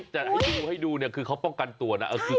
แต่ให้ดูคือเขาป้องกันตัวเนี่ย